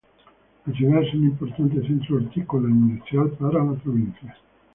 La ciudad es un importante centro hortícola e industrial para la provincia.